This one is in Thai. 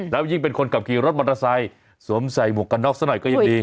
แล้วยิ่งเป็นคนขับขี่รถมอเตอร์ไซค์สวมใส่หมวกกันน็อกซะหน่อยก็ยังดี